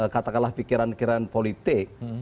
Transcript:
katakanlah pikiran pikiran politik